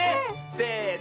せの。